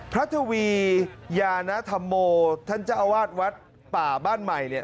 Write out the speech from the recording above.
ทวียานธรรมโมท่านเจ้าอาวาสวัดป่าบ้านใหม่เนี่ย